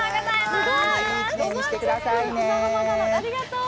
ありがとう！